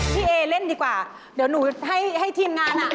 เอเล่นดีกว่าเดี๋ยวหนูให้ทีมงานอ่ะ